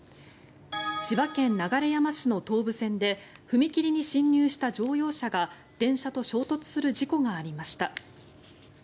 千葉県流山市の東武線で踏切に進入した乗用車が電車と衝突する事故がありました。